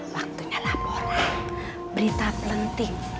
waktunya laporan berita pelenting